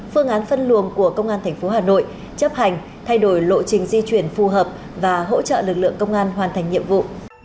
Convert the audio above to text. phương án phân luồng của công an tp hà nội chấp hành thay đổi lộ trình di chuyển phù hợp và hỗ trợ lực lượng công an hoàn thành nhiệm vụ